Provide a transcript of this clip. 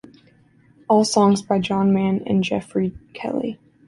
All songs by John Mann and Geoffrey Kelly.